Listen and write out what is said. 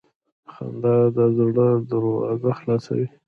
• خندا د زړه دروازه خلاصوي.